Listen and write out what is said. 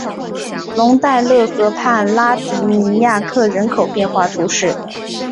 龙代勒河畔拉迪尼亚克人口变化图示